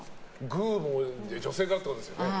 グーも女性からってことですよね？